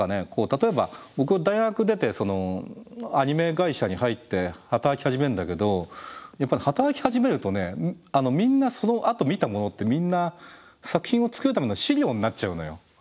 例えば僕大学出てアニメ会社に入って働き始めるんだけどやっぱり働き始めるとねみんなそのあと見たものってみんな作品を作るための資料になっちゃうのよ。